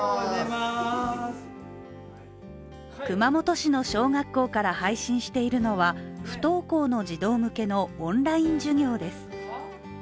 熊本市の小学校から配信しているのは不登校の児童向けのオンライン授業です。